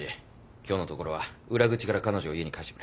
今日のところは裏口から彼女を家に帰してくれ。